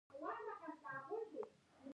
دوی د ټولنې له کلتوري ارزښتونو انکار کاوه.